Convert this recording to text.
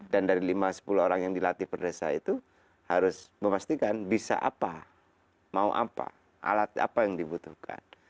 dan dari lima sepuluh orang yang dilatih per desa itu harus memastikan bisa apa mau apa alat apa yang dibutuhkan